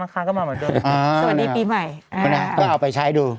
ก็เอาไปใช้ดู